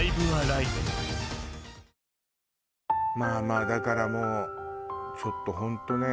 まあだからもうちょっと本当ね